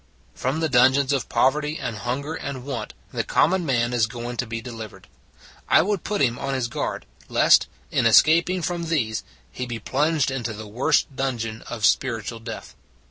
From the dungeons of poverty and hun ger and want the common man is going to be delivered : I would put him on his guard, lest, in escaping from these, he be plunged into the worse dungeon of spiritual death.